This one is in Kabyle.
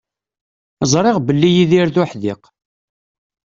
Ẓriɣ belli Yidir d uḥdiq.